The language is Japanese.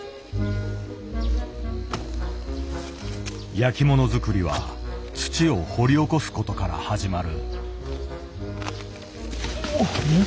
焼きもの作りは土を掘り起こすことから始まる。